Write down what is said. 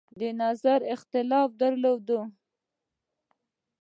د نظر اختلاف درلود.